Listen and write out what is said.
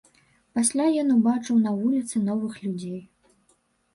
Пасля ён убачыў на вуліцы новых людзей.